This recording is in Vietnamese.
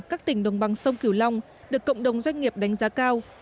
các tỉnh đồng bằng sông kiều long được cộng đồng doanh nghiệp đánh giá cao